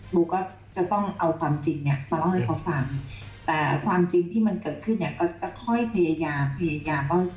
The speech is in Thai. มุกก็จะต้องเอาความจริงมาเล่าให้เขาฟัง